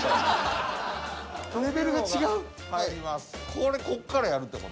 なななこれこっからやるって事？